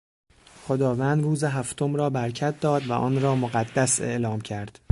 خداوند روز هفتم را برکت داد و آنرا مقدس اعلام کرد.